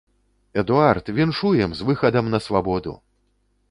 Эдуард, віншуем з выхадам на свабоду!